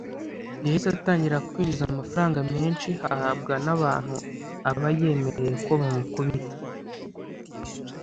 yahise atangira kwinjiza amafaranga menshi ahabwa n’abantu aba yemereye ko bamukubita